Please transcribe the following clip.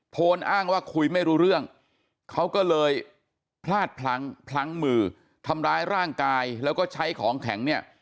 โพนอ้างว่าคุยไม่รู้เรื่องเขาก็เลยพลาดพลั้งพลั้งมือทำร้ายร่างกายแล้วก็ใช้ของแข็งเนี่ย